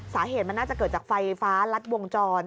สาเหตุมันน่าจะเกิดจากไฟฟ้ารัดวงจร